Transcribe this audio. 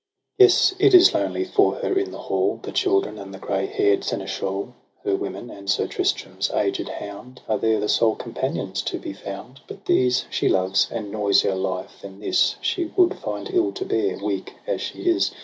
Yes, it is lonely for her in her hall. The children, and the grey hair'd seneschal, Her women, and Sir Tristram's aged hound. Are there the sole companions to be found. But these she loves; and noisier life than this She would find ill to bear, weak as she is.